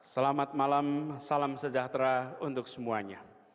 selamat malam salam sejahtera untuk semuanya